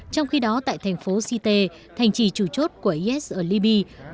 trong khi đó tại thành phố shite thành trì chủ chốt của is ở libya